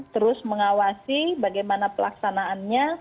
terus mengawasi bagaimana pelaksanaannya